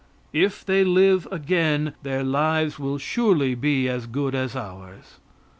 If they live again their lives will surely be as good as ours.